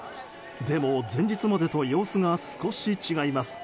でも、前日までと様子が少し違います。